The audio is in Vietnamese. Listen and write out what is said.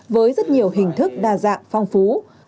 với rất nhiều hình thức đa dạng phong phú